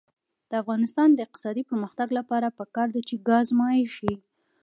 د افغانستان د اقتصادي پرمختګ لپاره پکار ده چې ګاز مایع شي.